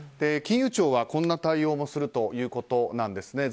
金融庁はこんな対応もするということなんです。